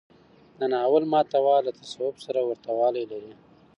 د ناول محتوا له تصوف سره ورته والی لري.